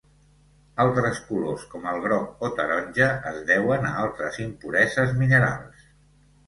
Altres colors, com el groc o taronja es deuen a altres impureses minerals.